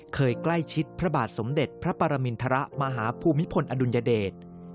เคยใกล้ชิดพระบาทสมเด็จพระปรมินทรมาฮภูมิพลอดุลยเดช